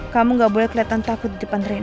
kamu gak boleh keliatan takut didepan rena